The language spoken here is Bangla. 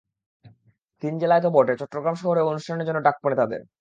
তিন জেলায় তো বটে, চট্টগ্রাম শহরেও অনুষ্ঠানের জন্য ডাক পড়ে তাঁদের।